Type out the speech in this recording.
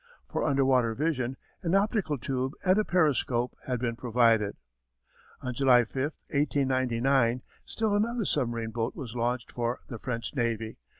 For underwater vision, an optical tube and a periscope had been provided. On July 5, 1899, still another submarine boat was launched for the French Navy.